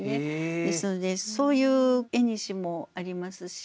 ですのでそういうえにしもありますし。